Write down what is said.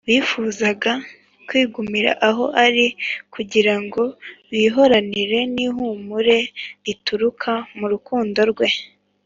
bifuzaga kwigumira aho ari kugira ngo bihoranire n’ihumure rituruka mu rukundo rwe